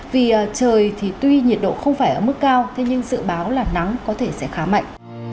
vì trời thì tuy nhiệt độ không phải ở mức cao thế nhưng dự báo là nắng có thể sẽ khá mạnh